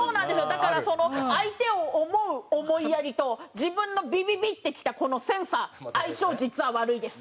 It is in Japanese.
だから相手を思う思いやりと自分のビビビッてきたこのセンサー相性実は悪いです。